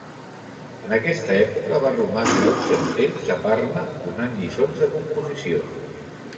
En aquesta època va romandre un cert temps a Parma donant lliçons de composició.